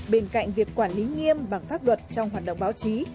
bên cạnh việc quản lý nghiêm bằng pháp luật trong hoạt động báo chí